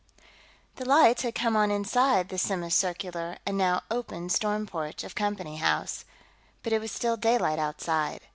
The lights had come on inside the semicircular and now open storm porch of Company House, but it was still daylight outside.